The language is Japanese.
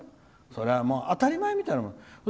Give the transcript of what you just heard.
それは当たり前みたいなもん。